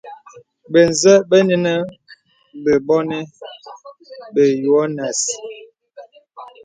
Bə̀ zə bə nə bə̀bònè bə yoanɛ̀s.